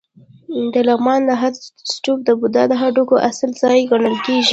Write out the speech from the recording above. د لغمان د هده ستوپ د بودا د هډوکو اصلي ځای ګڼل کېږي